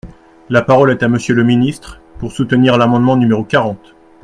La parole est à Monsieur le ministre, pour soutenir l’amendement numéro quarante.